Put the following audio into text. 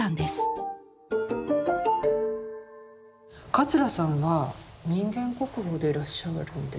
桂さんは人間国宝でいらっしゃるんですよね？